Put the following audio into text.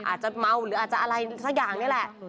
อาจจะเมาหรืออาจจะอะไรสักอย่างนี่แหละ